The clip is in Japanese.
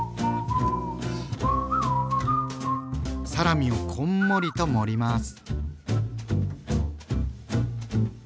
サラミをこんもりと盛ります。